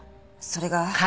それが。